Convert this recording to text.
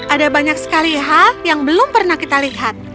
ada banyak sekali hal yang belum pernah kita lihat